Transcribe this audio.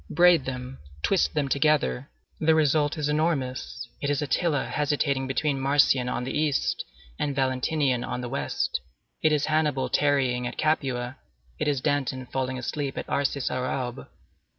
Braid them, twist them together; the result is enormous: it is Attila hesitating between Marcian on the east and Valentinian on the west; it is Hannibal tarrying at Capua; it is Danton falling asleep at Arcis sur Aube.